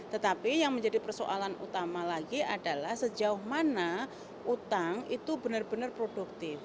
tetapi yang menjadi persoalan utama lagi adalah sejauh mana utang itu benar benar produktif